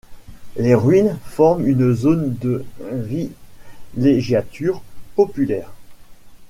Les ruines forment une zone de villégiature populaire.